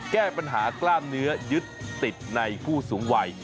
แก้ปัญหากล้ามเนื้อยึดติดในผู้สูงวัย